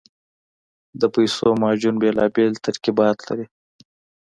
د پیسو معجون بېلابېل ترکیبات لري.